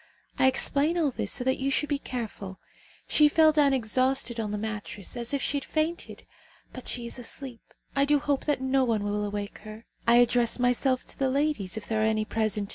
I explain all this so that you should be careful. She fell down exhausted on the mattress as if she had fainted. But she is asleep. I do hope that no one will awake her. I address myself to the ladies, if there are any present.